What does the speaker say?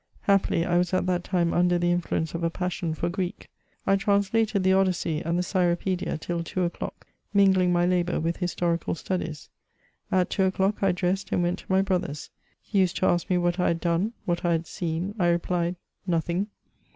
Happily, I was at that time under the influence of a passion for Greek. I translated the Odyssy and the Cyropedia till two o'clock, mingling my labour with historical studies. ' At two o'clock, I dressed, and went to my brother's ; he used to ask me, what I had done, what I had seen? I replied, '' Nothing."